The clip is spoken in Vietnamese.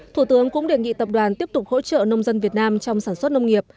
thủ tướng cũng đề nghị tập đoàn tiếp tục hỗ trợ nông dân việt nam trong sản xuất nông nghiệp